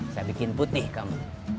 saya bikin putih kamu